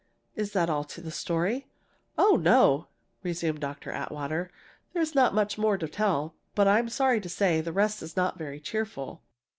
"Is that all the story?" "Oh, no!" resumed Dr. Atwater. "There's not much more to tell, but I'm sorry to say, the rest is not very cheerful.